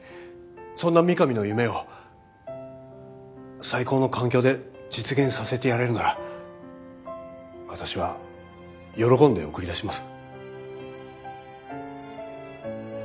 そんな御神の夢を最高の環境で実現させてやれるなら私は喜んで送り出します。